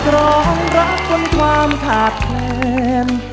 ร้องรับพันความทาดเข็น